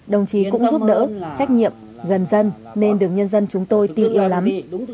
đồng chí cũng giúp đỡ trách nhiệm gần dân nên được nhân dân chúng tôi tin yêu lắm